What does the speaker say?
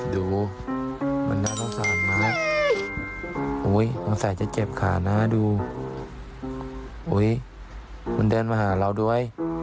ดูมันน่าต้องการนะอุ้ยต้องใส่จะเจ็บขานะดูอุ้ยมันเดินมาหาเราด้วย